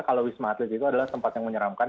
kalau wisma atlet itu adalah tempat yang menyeramkan